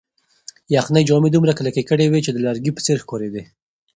یخنۍ جامې دومره کلکې کړې وې چې د لرګي په څېر ښکارېدې.